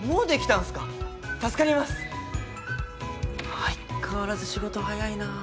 相変わらず仕事早いなあ。